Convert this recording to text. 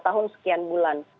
dua tahun sekian bulan